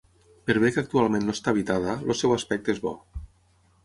Per bé que actualment no està habitada, al seu aspecte és bo.